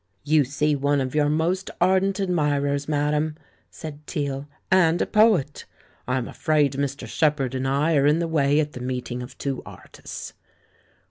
"You see one of your most ardent admirers, madame," said Teale, "and a poet. I'm afraid Mr. Shepherd and I are in the way at the meet ing of two artists."